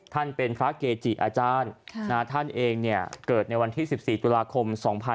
ท่านเป็นพระเกจิอาจารย์ท่านเองเกิดในวันที่๑๔ตุลาคม๒๕๖๒